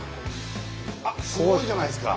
あっすごいじゃないですか。